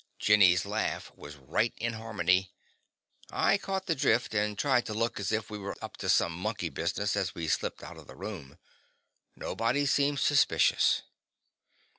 Jenny's laugh was right in harmony. I caught the drift, and tried to look as if we were up to some monkey business as we slipped out of the room. Nobody seemed suspicious.